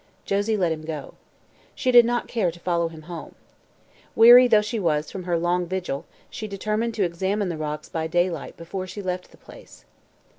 Josie let him go. She did not care to follow him home. Weary though she was from her long vigil she determined to examine the rocks by daylight before she left the place.